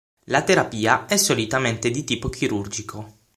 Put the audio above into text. La terapia è solitamente di tipo chirurgico.